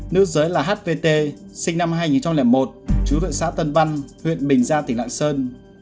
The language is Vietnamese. nữ dưới là hvt sinh năm hai nghìn một chú tuệ xã tân văn huyện bình gia tỉnh đạng sơn